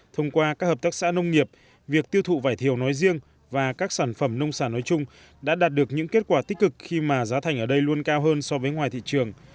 thông qua các hợp tác xã nông nghiệp việc tiêu thụ vải thiều nói riêng và các sản phẩm nông sản nói chung đã đạt được những kết quả tích cực khi mà giá thành ở đây luôn cao hơn so với ngoài thị trường